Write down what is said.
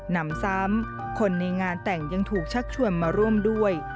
นำซ้ำคนในงานแต่งยังถูกชักชวนมาร่วมด้วย